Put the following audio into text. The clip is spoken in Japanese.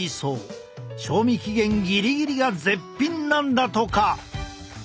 賞味期限ギリギリが絶品なんだとか！